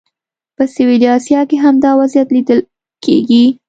په سویلي اسیا کې هم دا وضعیت لیدل کېږي.